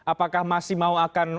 apakah masih mau akan